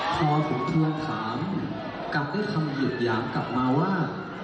พอผมทวงถามกลับด้วยคำเหยียดหยามกลับมาว่า